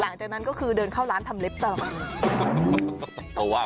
หลังจากนั้นก็คือเดินเข้าร้านทำเล็บต่อ